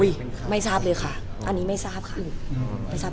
อุ้ยไม่ทราบเลยค่ะอันนี้ไม่ทราบค่ะ